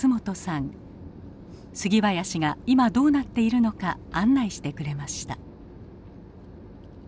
杉林が今どうなっているのか案内してくれました。